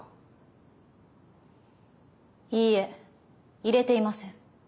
いいえ入れていません。